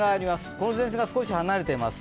この前線がすこし離れています。